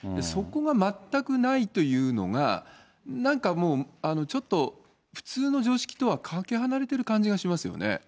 そこが全くないというのが、なんかもう、ちょっと普通の常識とはかけ離れてる感じがしますよね。